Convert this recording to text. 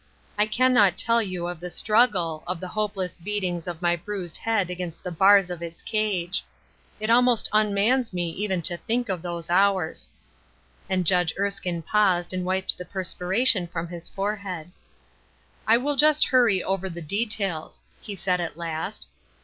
I can not tell you of the struggle, of the hopeless beatings of my bruised head against the bars of its cage. It almost un mans me even to think of those hours." And Judge Erskine paused and wiped the perspira tion from his forehead. " I will just hurry over the details," he said at last.